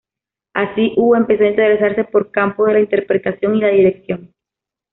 Así Hu empezó a interesarse por el campo de la interpretación y la dirección.